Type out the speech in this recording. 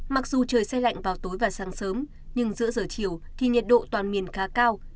mặc dù trời xe lạnh vào tối và sáng sớm nhưng giữa giờ chiều thì nhiệt độ toàn miền khá cao